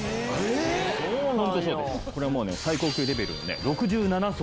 これはもうね最高級レベルのね６７層。